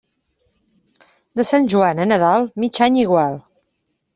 De Sant Joan a Nadal, mig any igual.